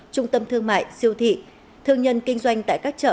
trung tâm thương mại siêu thị thương nhân kinh doanh tại các chợ